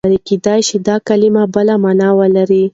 کېدای شي دا کلمه بله مانا ولري.